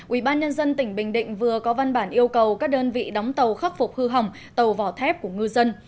ubnd tỉnh bình định vừa có văn bản yêu cầu các đơn vị đóng tàu khắc phục hư hỏng tàu vỏ thép của ngư dân